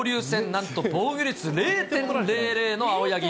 なんと防御率０．００の青柳。